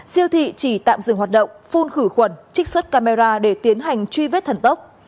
siêu thị chỉ tạm dừng hoạt động phun khử khuẩn trích xuất camera để tiến hành truy vết thần tốc